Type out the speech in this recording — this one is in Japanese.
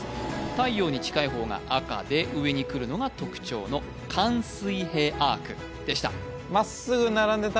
太陽に近い方が赤で上に来るのが特徴の環水平アークでした